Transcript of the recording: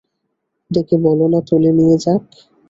ডেকে বলো না তুলে নিয়ে যাক?